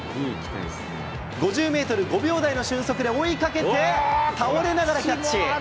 ５０メートル５秒台の俊足で追いかけて、倒れながらキャッチ。